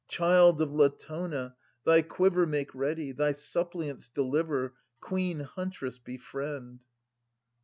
Child of Latona, thy quiver Make ready : thy suppliants deliver — Queen huntress, befriend